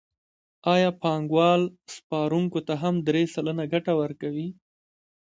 آیا بانکوال سپارونکو ته هم درې سلنه ګټه ورکوي